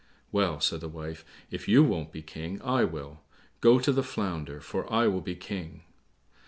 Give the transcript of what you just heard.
"Well," said the wife, "if you won't be King, I will; go to the Flounder, for I will be King."